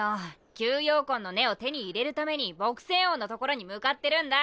吸妖魂の根を手に入れるために朴仙翁のところに向かってるんだ。